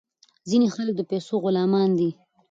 ځینې خلک د پیسو غلامان دي.